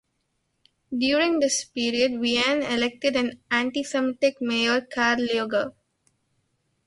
During this period, Vienna elected an antisemitic mayor, Karl Lueger.